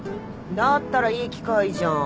だったらいい機会じゃん